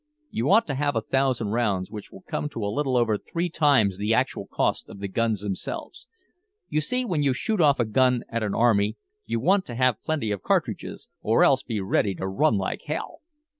You ought to have a thousand rounds, which will come to a little over three times the actual cost of the guns themselves. You see when you shoot off a gun at an army you want to have plenty of cartridges or else be ready to run like hell.